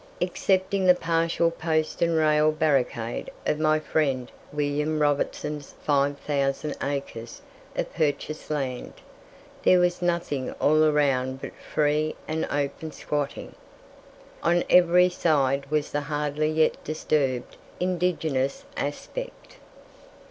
Excepting the partial post and rail barricade of my friend William Robertson's 5,000 acres of purchased land, there was nothing all around but free and open squatting. On every side was the hardly yet disturbed indigenous aspect.